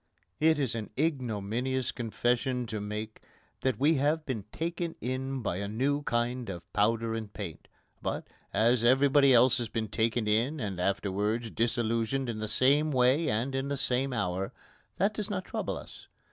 It is an ignominious confession to make that we have been taken in by a new kind of powder and paint, but, as everybody else has been taken in and afterwards disillusioned in the same way and in the same hour, that does not trouble us.